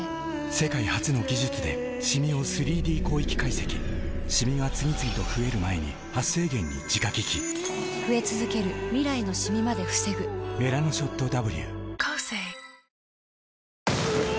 世界初の技術でシミを３Ｄ広域解析シミが次々と増える前に「メラノショットＷ」